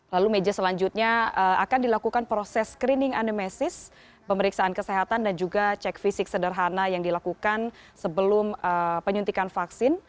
lalu meja selanjutnya akan dilakukan proses screening anemesis pemeriksaan kesehatan dan juga cek fisik sederhana yang dilakukan sebelum penyuntikan vaksin